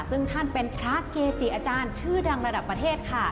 ซึ่งท่านเป็นพระเกจิอาจารย์ชื่อดังระดับประเทศค่ะ